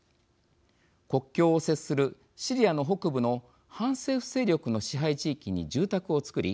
国境を接するシリアの北部の反政府勢力の支配地域に住宅を造り